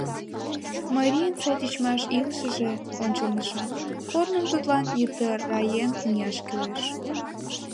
Марийын сай тичмаш илышыже — ончылныжо; корным тудлан йытыраен мияш кӱлеш.